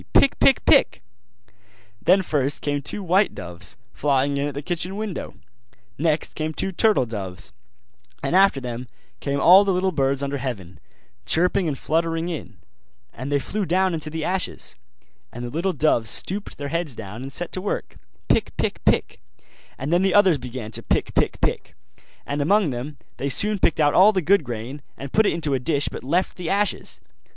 pick, pick, pick!' Then first came two white doves, flying in at the kitchen window; next came two turtle doves; and after them came all the little birds under heaven, chirping and fluttering in: and they flew down into the ashes. And the little doves stooped their heads down and set to work, pick, pick, pick; and then the others began to pick, pick, pick: and among them all they soon picked out all the good grain, and put it into a dish but left the ashes.